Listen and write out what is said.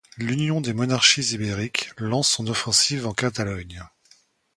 L'union des monarchies ibériques lance son offensive en Catalogne.